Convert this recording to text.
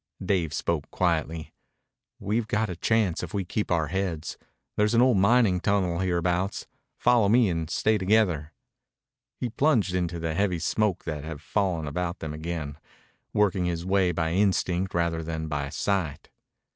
Dave spoke quietly. "We've got a chance if we keep our heads. There's an old mining tunnel hereabouts. Follow me, and stay together." He plunged into the heavy smoke that had fallen about them again, working his way by instinct rather than by sight.